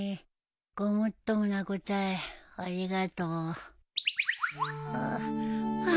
ごもっともな答えありがとうああハア。